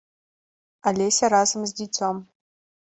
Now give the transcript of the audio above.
Алеся разам з дзіцём.